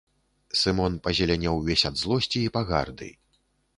Сымон пазелянеў увесь ад злосці і пагарды.